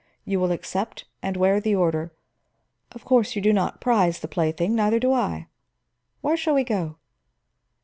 You will accept, and wear the order. Of course you do not prize the plaything; neither do I. Shall we go?"